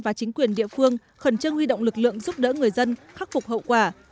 và chính quyền địa phương khẩn trương huy động lực lượng giúp đỡ người dân khắc phục hậu quả